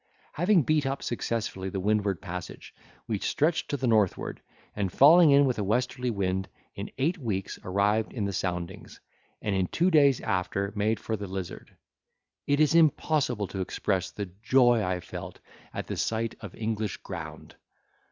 Having beat up successfully the windward passage, we stretched to the northward, and falling in with a westerly wind, in eight weeks arrived in the soundings, and in two days after made for the Lizard. It is impossible to express the joy I felt at the sight of English ground!